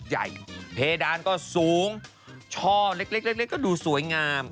ใหญ่เพดานก็สูงช่อเล็กเล็กก็ดูสวยงาม